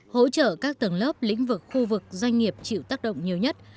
hỗ trợ các tầng lớp lĩnh vực khu vực doanh nghiệp chịu tác động nhiều nhất